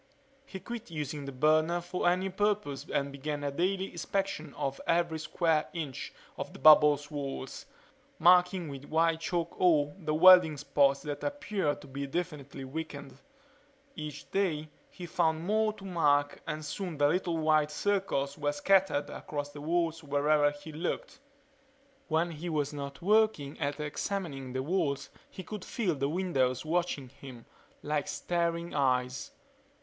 He quit using the burner for any purpose and began a daily inspection of every square inch of the bubble's walls, marking with white chalk all the welding spots that appeared to be definitely weakened. Each day he found more to mark and soon the little white circles were scattered across the walls wherever he looked. When he was not working at examining the walls he could feel the windows watching him, like staring eyes.